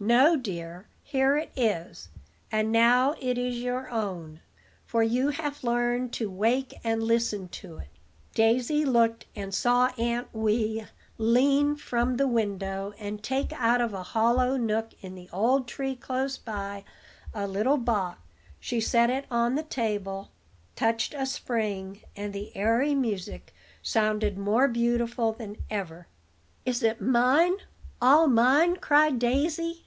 "No, dear: here it is, and now it is your own; for you have learned to wake and listen to it." Daisy looked, and saw Aunt Wee lean from the window, and take out of a hollow nook, in the old tree close by, a little box. She set it on the table, touched a spring, and the airy music sounded more beautiful than ever. "Is it mine, all mine?" cried Daisy.